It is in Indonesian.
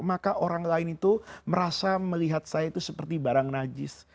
maka orang lain itu merasa melihat saya itu seperti barang najis